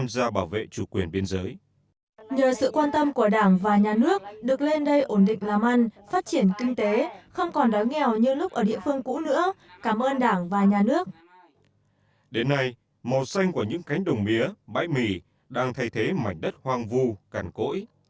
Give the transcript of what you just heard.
đến nay màu xanh của những cánh đồng mía bãi mì đang thay thế mảnh đất hoang vu cằn cỗi